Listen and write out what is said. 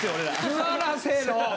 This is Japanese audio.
座らせろ。